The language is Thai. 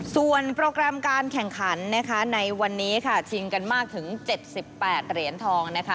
ส่วนโปรแกรมการแข่งขันนะคะในวันนี้ค่ะชิงกันมากถึง๗๘เหรียญทองนะคะ